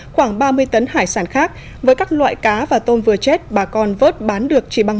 khoảng ba mươi tấn hải sản khác với các loại cá và tôm vừa chết bà con vớt bán được chỉ bằng